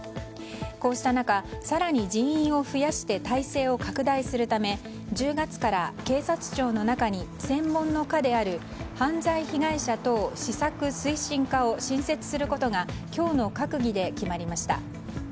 こうした中、更に人員を増やして体制を拡大するため１０月から警察庁の中に専門の課である犯罪被害者等施策推進課を新設することが今日の閣議で決まりました。